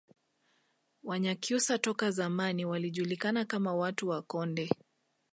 Wanyakyusa toka zamani walijulikana kama watu wa Konde